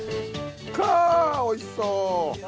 カァおいしそう！